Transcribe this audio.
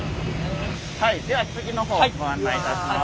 はいでは次の方ご案内いたします。